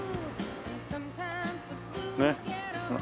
ねっ。